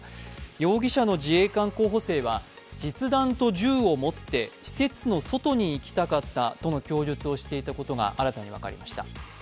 容疑者の自衛官候補生は実弾と銃を持って施設の外に行きたかったと供述をしていたことが新たに分かりました。